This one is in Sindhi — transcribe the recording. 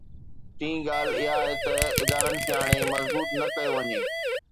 ٽين ڳالهه اها آهي ته ادارن کي هاڻي مضبوط نه ڪيو وڃي.